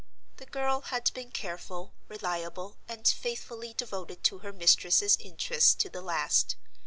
The girl had been careful, reliable and faithfully devoted to her mistress's interests to the last.